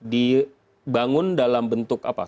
dibangun dalam bentuk apa